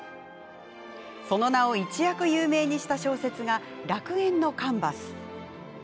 その名を一躍有名にした小説が「楽園のカンヴァス」。